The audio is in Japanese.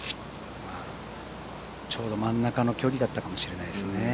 ちょうど真ん中の距離だったかもしれないですね。